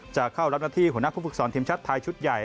จะเข้ารับรับรัฐีหัวหน้าผู้ฟึกษรทีมชาติไทยชุดใหญ่